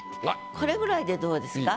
これぐらいでどうですか？